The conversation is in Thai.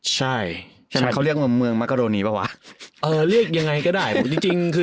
ใช่ใช่ไหมเขาเรียกว่าเมืองมกะโดนีเปล่าวะเออเรียกยังไงก็ได้จริงจริงคือ